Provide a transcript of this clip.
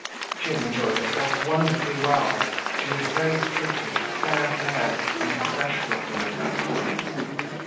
She had enjoyed herself wonderfully well. She was very pretty, fair haired and fresh looking at that time.